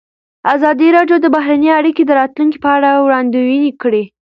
ازادي راډیو د بهرنۍ اړیکې د راتلونکې په اړه وړاندوینې کړې.